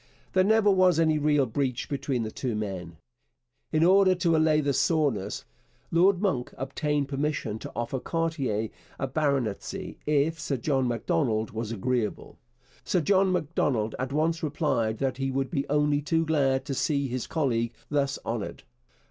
There never was any real breach between the two men. In order to allay the soreness, Lord Monck obtained permission to offer Cartier a baronetcy if Sir John Macdonald was agreeable. Sir John Macdonald at once replied that he would be only too glad to see his colleague thus honoured.